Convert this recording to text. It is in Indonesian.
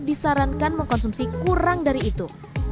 disarankan mengkonsumsi kurang dari itu